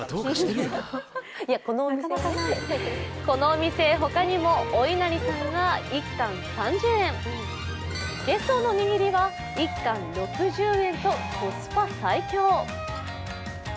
このお店、他にもおいなりさんが１貫３０円、げその握りは、１貫６０円とコスパ最強。